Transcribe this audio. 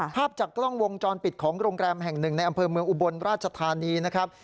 ภาพจากกล้องวงจรปิดของโรงแรมแห่งหนึ่งในอำเภอเมืองอุบลราชธานีนะครับ